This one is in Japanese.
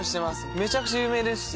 めちゃくちゃ有名ですし。